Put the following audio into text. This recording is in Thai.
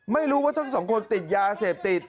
ไม่รู้ว่าทั้งสองคนติดยาเสพติด